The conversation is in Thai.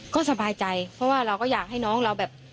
ก็สบายใจเพราะว่าเราก็อยากให้น้องเราแบบ